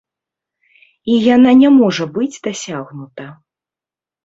І яна не можа быць дасягнута.